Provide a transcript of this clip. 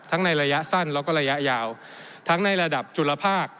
ในระยะสั้นแล้วก็ระยะยาวทั้งในระดับจุลภาค